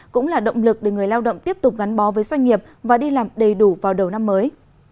cũng là động lực để người lao động tiếp tục gắn bó với doanh nghiệp và đi làm đầy đủ vào đầu năm mới